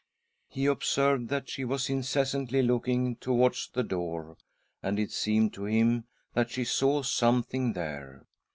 He observed that she was incessantly looking towards the door, and it seemed' to him that she saw something there.